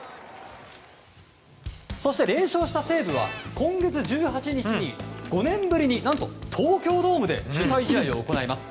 そして連勝した西武は今月１８日に５年ぶりに何と東京ドームで主催試合を行います。